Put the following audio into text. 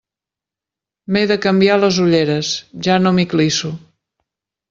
M'he de canviar les ulleres, ja no m'hi clisso.